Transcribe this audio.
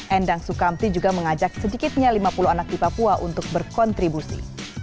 endang sukamti juga mengajak sedikitnya lima puluh anak di papua untuk berkontribusi